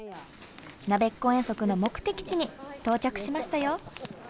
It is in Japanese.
なべっこ遠足の目的地に到着しましたよ。